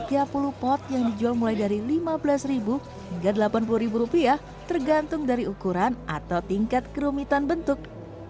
ada tiga puluh pot yang dijual mulai dari lima belas hingga rp delapan puluh rupiah tergantung dari ukuran atau tingkat kerumitan bentuk